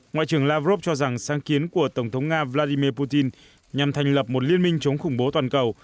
ngoại trưởng lavrov cho rằng sáng kiến của tổng thống nga vladimir putin nhằm thành lập một liên minh chống khủng bố toàn cầu